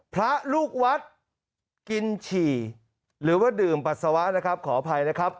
พระลูกวัดกินฉี่หรือว่าดื่มปัสสาวะนะครับขออภัยนะครับ